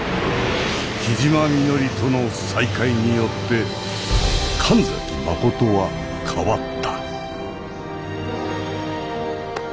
木嶋みのりとの再会によって神崎真は変わった。